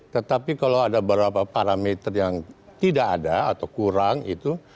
tetapi kalau ada beberapa parameter yang tidak ada atau kurang itu